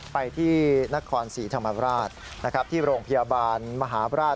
ไปที่นครศรีธรรมราชที่โรงพยาบาลมหาบราช